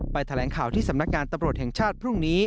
แถลงข่าวที่สำนักงานตำรวจแห่งชาติพรุ่งนี้